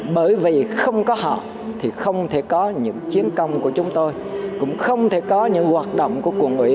bởi vì không có họ thì không thể có những chiến công của chúng tôi cũng không thể có những hoạt động của quận ủy